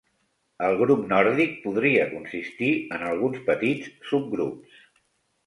El grup nòrdic podria consistir en alguns petits subgrups.